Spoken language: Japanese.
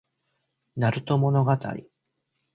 なると物語